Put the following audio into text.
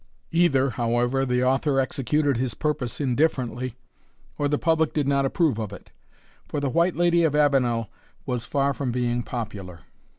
Either, however, the author executed his purpose indifferently, or the public did not approve of it; for the White Lady of Avenel was far from being popular.